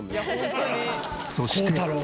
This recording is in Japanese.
そして。